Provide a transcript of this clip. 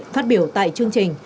phát biểu tại chương trình